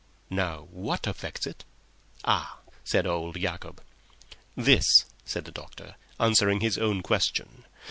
"Now, what affects it?" "Ah!" said old Yacob. "This," said the doctor, answering his own question.